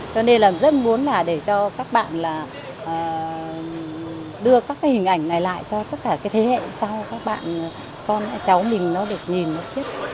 cho nên là rất muốn là để cho các bạn là đưa các cái hình ảnh này lại cho tất cả cái thế hệ sau các bạn con cháu mình nó được nhìn nó thiết